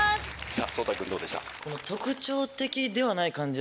颯太君どうでした？